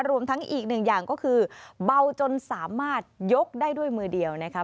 รวมทั้งอีกหนึ่งอย่างก็คือเบาจนสามารถยกได้ด้วยมือเดียวนะคะ